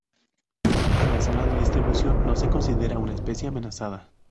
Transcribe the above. En la zona de distribución no se considera una especie amenazada.